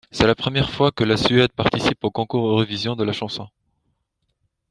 C'est la première fois que la Suède participe au Concours Eurovision de la chanson.